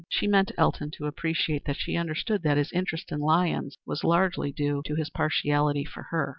She meant Elton to appreciate that she understood that his interest in Lyons was largely due to his partiality for her.